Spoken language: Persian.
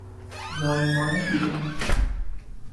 زایمان بی درد